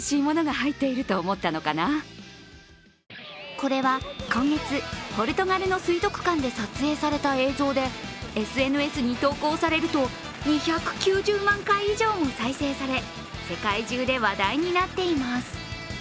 これは今月、ポルトガルの水族館で撮影された映像でＳＮＳに投稿されると、２９０万回以上も再生され世界中で話題になっています。